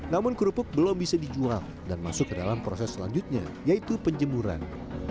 namun kerupuk belum bisa dijual dan masuk ke dalam proses selanjutnya yaitu penjemuran